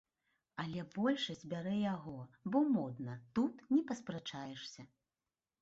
Але большасць бярэ яго, бо модна, тут не паспрачаешся.